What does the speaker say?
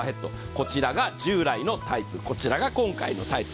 こちらが従来のタイプ、こちらが今回のタイプ。